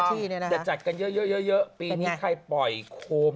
ที่จะจัดกันเยอะปีนี้ใครปล่อยโคม